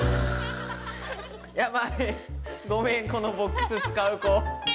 ごめんこのボックス使う子。